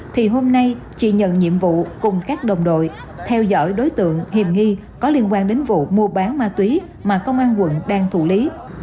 thì hôm nay chị nhận nhiệm vụ cùng các đồng đội theo dõi đối tượng hiểm nghi có liên quan đến vụ mua bán ma túy mà công an quận đang thủ lý